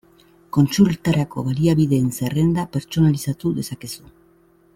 Kontsultarako baliabideen zerrenda pertsonalizatu dezakezu.